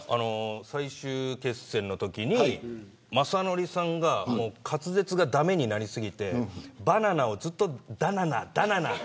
最終決戦のときに雅紀さんが活舌が駄目になり過ぎてバナナをずっと、だなな、だななって。